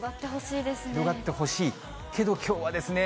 広がってほしいですね。